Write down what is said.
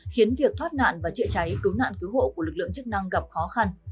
khiến việc thoát nạn và chữa cháy cứu nạn cứu hộ của lực lượng chức năng gặp khó khăn